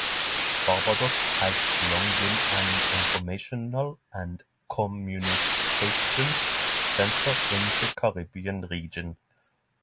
Barbados has long been an informational and communications centre in the Caribbean region.